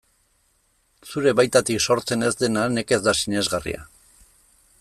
Zure baitatik sortzen ez dena nekez da sinesgarria.